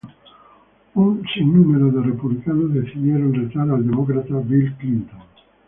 Un sin número de republicanos decidieron retar al demócrata Bill Clinton.